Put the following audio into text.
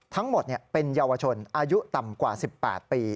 ทั้งหมดเป็นเยาวชนอายุต่ำกว่า๑๘ปี